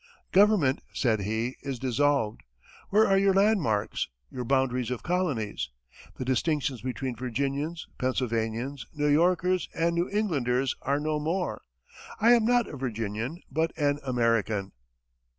"Government," said he, "is dissolved. Where are your landmarks, your boundaries of colonies? The distinctions between Virginians, Pennsylvanians, New Yorkers, and New Englanders are no more. I am not a Virginian, but an American."